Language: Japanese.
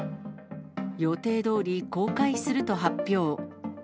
予定どおり、公開すると発表。